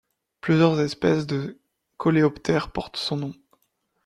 Plusieurs espèces de coléoptères portent son nom.